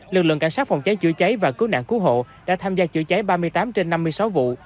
lực lượng cảnh sát phòng cháy chữa cháy và cứu nạn cứu hộ đã tham gia chữa cháy ba mươi tám trên năm mươi sáu vụ